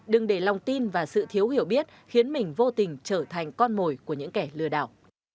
đừng để lòng tin và sự thiếu hiểu biết khiến mình vô tình trở thành con mồi của những kẻ lừa đảo